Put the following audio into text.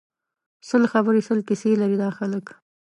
سل خبری سل کیسی لري دا خلک